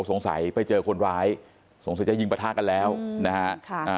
สงสัยไปเจอคนร้ายสงสัยจะยิงประทะกันแล้วนะฮะค่ะอ่า